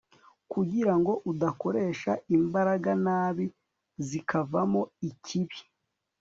kugira ngo udakoresha imbaraga nabi zikavamo ikibi